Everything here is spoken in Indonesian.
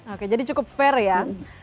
oke jadi cukup fair ya